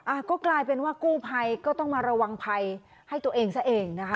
อ่ะก็กลายเป็นว่ากู้ภัยก็ต้องมาระวังภัยให้ตัวเองซะเองนะคะ